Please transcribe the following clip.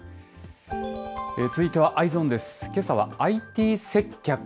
続いてはＥｙｅｓｏｎです。